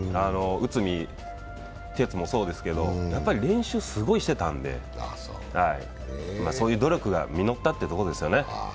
内海哲也もそうですけど、やっぱり練習をすごいしてたんで、そういう努力が実ったということですよね。